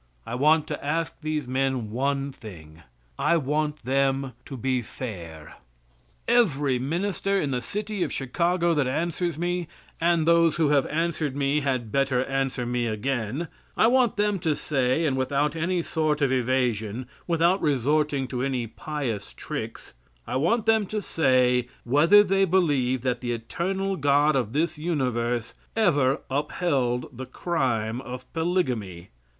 I want to ask these men one thing. I want them to be fair. Every minister in the City of Chicago that answers me, and those who have answered me had better answer me again I want them to say, and without any sort of evasion without resorting to any pious tricks I want them to say whether they believe that the Eternal God of this universe ever upheld the crime of polygamy.